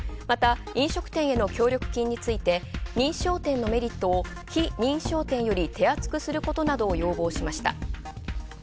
また、飲食店への協力金について認証店のメリットを非認証店より手厚くすることなどを要望。